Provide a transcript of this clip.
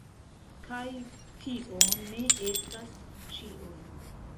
Kaj tio ne estas ĉio!